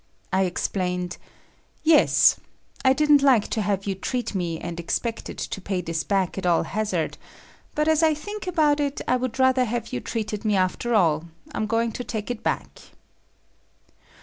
I explained, "Yes. I didn't like to have you treat me and expected to pay this back at all hazard, but as I think about it, I would rather have you treated me after all; so I'm going to take it back."